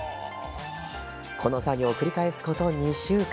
この作業を繰り返すこと２週間。